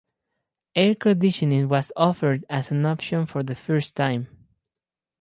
Air conditioning was offered as an option for the first time.